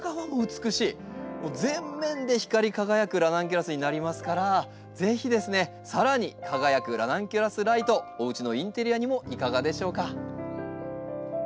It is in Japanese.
全面で光り輝くラナンキュラスになりますからぜひですねさらに輝くラナンキュラスライトおうちのインテリアにもいかがでしょうか。